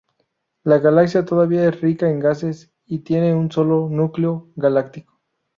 La galaxia todavía es rica en gases y tiene un solo núcleo galáctico.